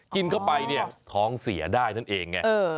กินเข้าไปท้องเสียได้นั่นเอง